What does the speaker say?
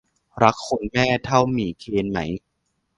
คุณรักแม่เท่าหมีเคนไหม